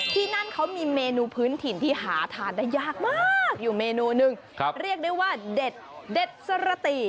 ที่นั่นเขามีเมนูพื้นถิ่นที่หาทานได้ยากมากอยู่เมนูหนึ่งเรียกได้ว่าเด็ดเด็ดสรติ